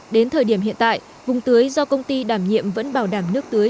đến thời điểm hiện tại vùng tưới do công ty đảm nhiệm vẫn bảo đảm nước tưới